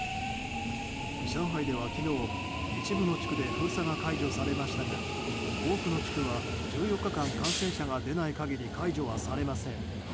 上海では昨日、一部の地区で封鎖が解除されましたが多くの地区は１４日間、感染者が出ない限り解除はされません。